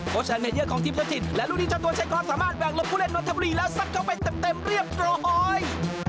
โค้ชทางเนเยอร์ของทีมสมชิตและลูกนี้จัดตัวใช้คลอดสามารถแว่งลบผู้เล่นนวลธบุรีแล้วสักเข้าไปเต็มเรียบร้อย